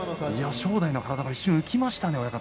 正代の体が一瞬浮きましたね。